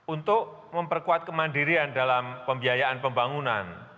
untuk memperkuat kemandirian dalam pembiayaan pembangunan